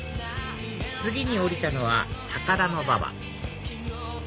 次に降りたのは高田馬場